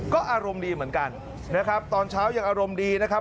ก็อารมณ์ดีเหมือนกันนะครับตอนเช้ายังอารมณ์ดีนะครับ